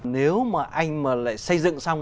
nếu mà anh mà lại xây dựng xong